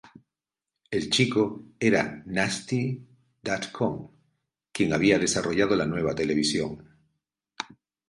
El chico era Nasty.com, quien había desarrollado la nueva televisión.